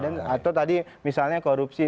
atau tadi misalnya korupsi